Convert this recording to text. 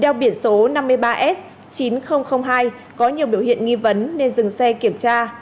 đeo biển số năm mươi ba s chín nghìn hai có nhiều biểu hiện nghi vấn nên dừng xe kiểm tra